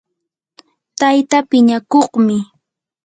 tayta piñakuqmi